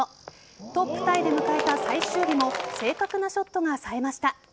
トップタイで迎えた最終日も正確なショットがさえました。